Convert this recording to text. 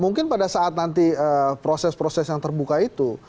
mungkin pada saat nanti proses proses yang terbuka itu